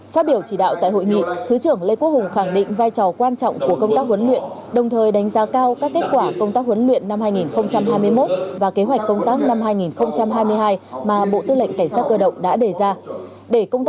phát biểu chỉ đạo tại hội nghị thứ trưởng lê quốc hùng khẳng định vai trò quan trọng của công tác huấn luyện đồng thời đánh giá cao các kết quả công tác huấn luyện năm hai nghìn hai mươi một và kế hoạch công tác năm hai nghìn hai mươi hai mà bộ tư lệnh cảnh sát cơ động đã đề ra